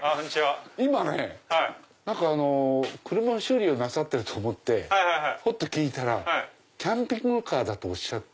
今ね車の修理をなさってると思って聞いたらキャンピングカーとおっしゃって。